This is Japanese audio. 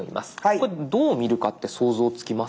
これどう見るかって想像つきますか？